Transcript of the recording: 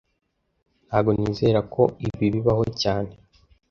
Ntago nizera ko ibi bibaho cyane